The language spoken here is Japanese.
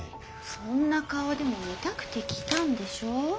そんな顔でも見たくて来たんでしょう？